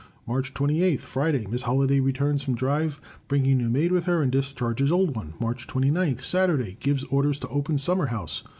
March 28, Friday — Miss Holladay returns from drive, bringing new maid with her and discharges old one. March 29, Saturday — Gives orders to open summer house.